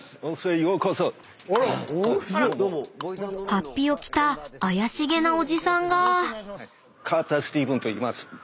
［法被を着た怪しげなおじさんが］